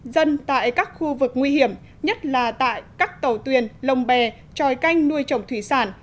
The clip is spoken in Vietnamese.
dân tại các khu vực nguy hiểm nhất là tại các tàu thuyền lồng bè tròi canh nuôi trồng thủy sản